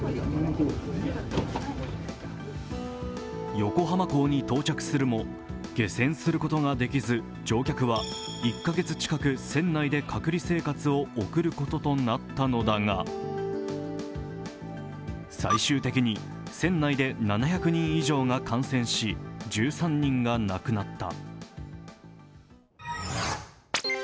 横浜港に到着するも下船することができず、乗客は１カ月近く船内で隔離生活を送ることになったのだが最終的に船内で７００人以上が感染し１３人が亡くなった。